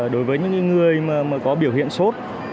đối với những người có biểu hiện sốt